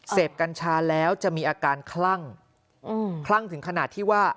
กัญชาแล้วจะมีอาการคลั่งคลั่งถึงขนาดที่ว่า